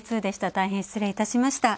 大変失礼いたしました。